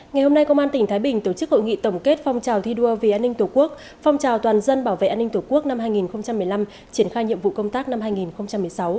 ngày hôm nay công an tỉnh thái bình tổ chức hội nghị tổng kết phong trào thi đua vì an ninh tổ quốc phong trào toàn dân bảo vệ an ninh tổ quốc năm hai nghìn một mươi năm triển khai nhiệm vụ công tác năm hai nghìn một mươi sáu